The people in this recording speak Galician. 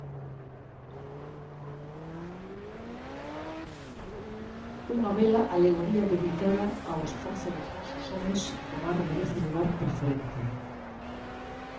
Unha bela alegoría dedicada ao esforzo dos nosos homes do mar merece lugar preferente.